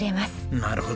なるほど。